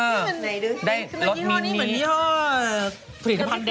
นี่เหมือนว่านี่เหมือนว่า